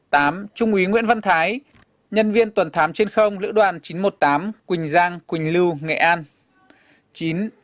trung úy nguyễn văn thái nhân viên tuần thám trên không lữ đoàn chín trăm một mươi tám quỳnh giang quỳnh lưu nghệ an